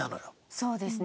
そうですね。